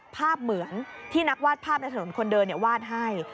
ภาพเหมือนที่นักวาดภาพในถนนคนเดินวาดให้